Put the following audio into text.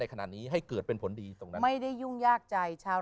ขนาดนี้ให้เกิดเป็นผลดีตรงนั้นไม่ได้ยุ่งยากใจชาว